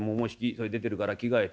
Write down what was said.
それ出てるから着替えて。